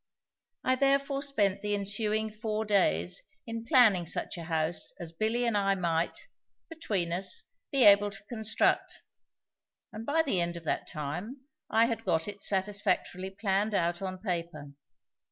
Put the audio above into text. I therefore spent the ensuing four days in planning such a house as Billy and I might, between us, be able to construct; and by the end of that time I had got it satisfactorily planned out on paper.